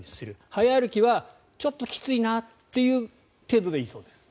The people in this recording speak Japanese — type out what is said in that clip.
早歩きはちょっときついなという程度でいいそうです。